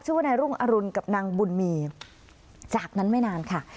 ว่านายรุ่งอรุณกับนางบุญมีจากนั้นไม่นานค่ะ